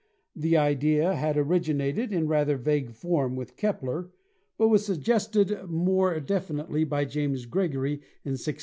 The idea had originated in rather vague form with Kepler, but was suggested more definitely by James Gregory in 1663.